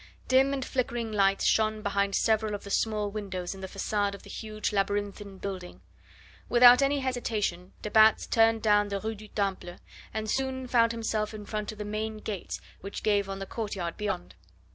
Dim and flickering lights shone behind several of the small windows in the facade of the huge labyrinthine building. Without any hesitation de Batz turned down the Rue du Temple, and soon found himself in front of the main gates which gave on the courtyard beyond.